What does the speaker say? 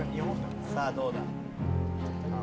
さあどうだ？